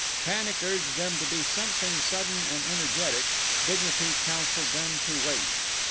Panic urged them to do something sudden and energetic; dignity counselled them to wait.